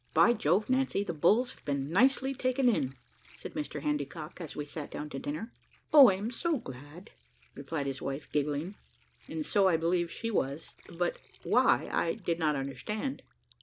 "By Jove, Nancy, the bulls have been nicely taken in," said Mr Handycock, as we sat down to dinner. "O I am so glad!" replied his wife, giggling; and so I believe she was, but why I did not understand.